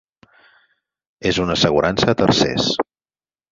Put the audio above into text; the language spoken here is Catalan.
és una assegurança a tercers.